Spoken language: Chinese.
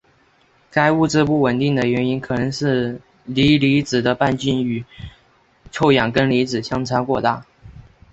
该物质不稳定的原因可能是锂离子的半径与臭氧根离子相差过大。